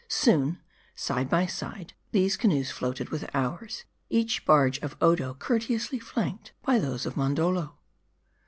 Soon, side by side, these canoes floated with ours ; each barge of Odo courteously flanked by those of Mondoldo.